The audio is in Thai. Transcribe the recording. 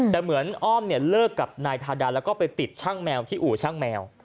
แต่เหมือนอ้อมเนี่ยเลิกกับนายทาดาแล้วก็ไปติดช่างแมวที่อู่ช่างแมว